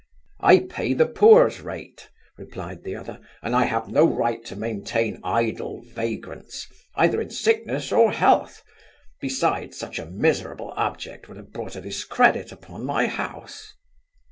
'I pay the poor's rate (replied the other) and I have no right to maintain idle vagrants, either in sickness or health; besides, such a miserable object would have brought a discredit upon my house.